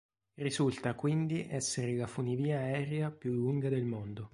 Risulta quindi essere la funivia aerea più lunga del mondo.